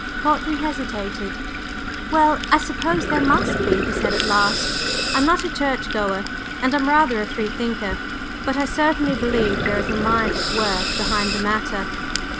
Courtney hesitated. "Well, I suppose there must be," he said at last. "I'm not a church goer, and I'm rather a free thinker, but I certainly believe there is a Mind at work behind the Matter."